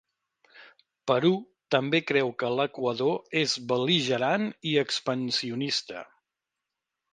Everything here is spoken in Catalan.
Perú també creu que l'Equador és bel·ligerant i expansionista.